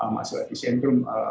masuk di sendrum